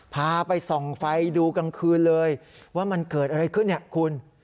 พาไปส่องไฟดูกลางคืนเลยว่ามันเกิดอะไรขึ้นเนี่ยคุณ